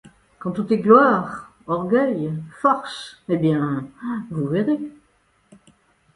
Quand tout est gloire, orgueil, force ! -Eh bien, vous verrez.